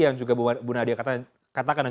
yang juga bu nadia katakan